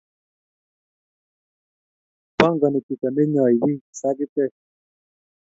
Pangani chito neinyoi biik sagitek